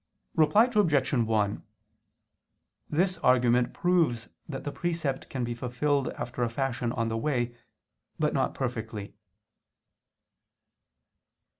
Reply Obj. 1: This argument proves that the precept can be fulfilled after a fashion on the way, but not perfectly.